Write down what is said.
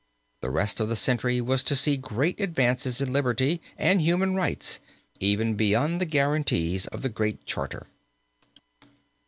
The rest of the century was to see great advances in liberty and human rights, even beyond the guarantees of the Great Charter.